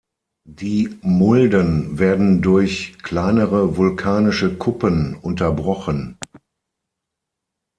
Die Mulden werden durch kleinere vulkanische Kuppen unterbrochen.